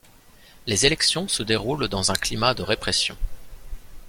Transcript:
Les élections se déroulent dans un climat de répression.